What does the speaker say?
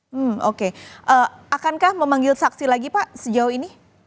hmm oke akankah memanggil saksi lagi pak sejauh ini